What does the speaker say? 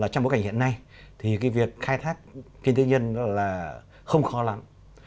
trong bối cảnh hiện nay việc khai thác kinh tế nhân không khó lắm